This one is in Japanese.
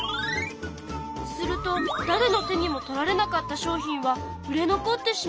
するとだれの手にも取られなかった商品は売れ残ってしまうの。